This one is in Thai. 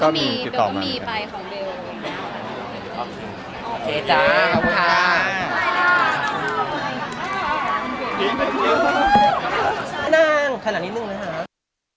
แสวได้ไงของเราก็เชียนนักอยู่ค่ะเป็นผู้ร่วมงานที่ดีมาก